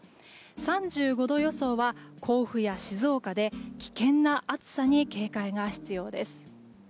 ３５度予想は甲府や静岡で危険な暑さに警戒が必要です。